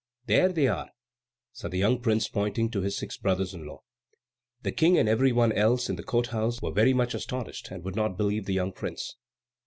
"There they are," said the young prince, pointing to his six brothers in law. The King and every one else in the court house were very much astonished, and would not believe the young prince.